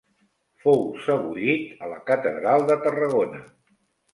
Fou sebollit a la Catedral de Tarragona.